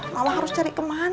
mama harus cari kemana tut